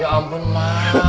ya ampun mak